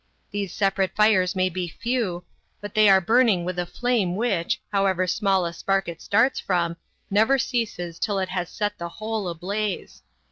These separate fires may be few, but they are burning with a flame which, however small a spark it starts from, never ceases till it has set the whole ablaze.